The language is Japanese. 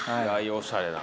おしゃれな。